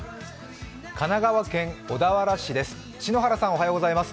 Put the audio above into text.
神奈川県小田原市です。